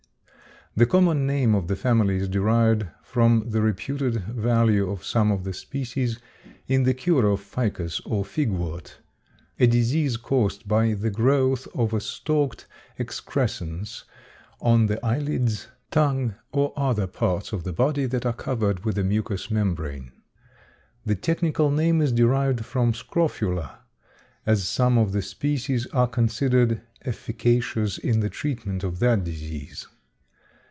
The common name of the family is derived from the reputed value of some of the species in the cure of ficus or figwort, a disease caused by the growth of a stalked excrescence on the eyelids, tongue, or other parts of the body that are covered with a mucous membrane. The technical name is derived from scrofula, as some of the species are considered efficacious in the treatment of that disease.